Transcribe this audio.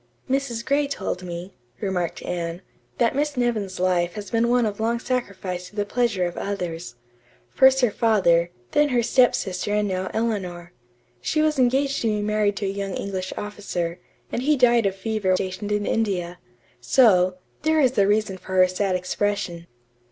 "Mrs. Gray told me," remarked Anne, "that Miss Nevin's life had been one long sacrifice to the pleasure of others. First her father, then her step sister and now Eleanor. She was engaged to be married to a young English officer, and he died of fever while stationed in India. So, there is reason for her sad expression."